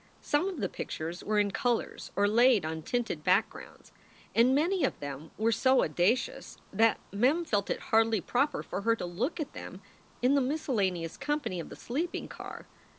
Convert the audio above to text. Some of the pictures were in colors, or laid on tinted backgrounds, and many of them were so audacious that Mem felt it hardly proper for her to look at them in the miscellaneous company of the sleeping car.